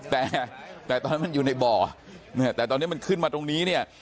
แต่แต่ตอนนั้นมันอยู่ในบ่อเนี่ยแต่ตอนนี้มันขึ้นมาตรงนี้เนี่ย